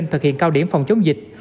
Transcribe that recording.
thực hiện cao điểm phòng chống dịch